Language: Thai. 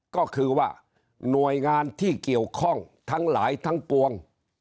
ก็คือว่าหน่วยงานที่เกี่ยวข้องทั้งหลายทั้งปวง